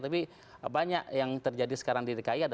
tapi banyak yang terjadi sekarang di dki